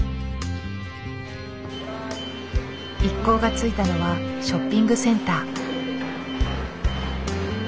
一行が着いたのはショッピングセンター。